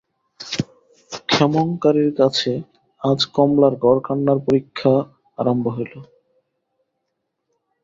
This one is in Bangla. ক্ষেমংকরীর কাছে আজ কমলার ঘরকন্নার পরীক্ষা আরম্ভ হইল।